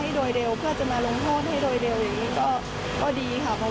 ในสิ่งที่เขาก็ทำจะต้องอธิสหกว่าแทนอะไรก็เรอยังต้องเข้าร่วม